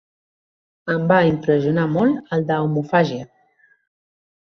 Em va impressionar molt el de l'omofàgia.